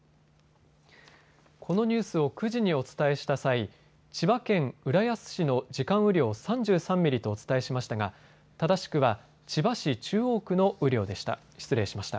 このニュースを９時にお伝えした際に千葉県浦安市の時間雨量を３３ミリとお伝えしましたが正しくは千葉市中央区の雨量でした。